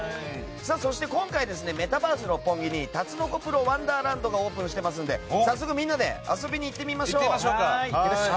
そして、今回メタバース六本木にタツノコプロワンダーランドがオープンしてますので早速みんなで遊びに行ってみましょう！